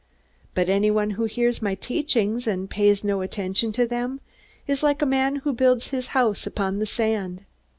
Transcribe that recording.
But anyone who hears my teachings and pays no attention to them is like a man who builds his house upon the sand.